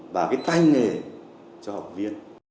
và cái tay nghề cho học viên